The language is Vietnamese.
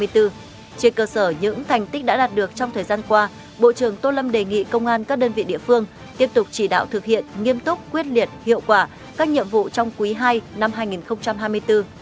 trên cơ sở những thành tích đã đạt được trong thời gian qua bộ trưởng tô lâm đề nghị công an các đơn vị địa phương tiếp tục chỉ đạo thực hiện nghiêm túc quyết liệt hiệu quả các nhiệm vụ trong quý ii năm hai nghìn hai mươi bốn